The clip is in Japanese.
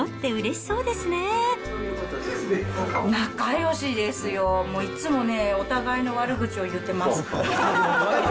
仲よしですよ、いつもね、お互いの悪口を言ってます。